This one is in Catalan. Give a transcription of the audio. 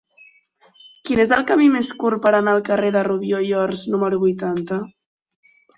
Quin és el camí més curt per anar al carrer de Rubió i Ors número vuitanta?